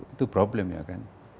itu problem ya kan